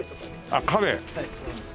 あっカレイ。